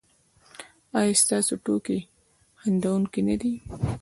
ایا ستاسو ټوکې خندونکې نه دي؟